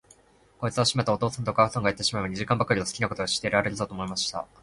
こいつはしめた、お父さんとお母さんがいってしまえば、二時間ばかりは好きなことがしていられるぞ、と思いました。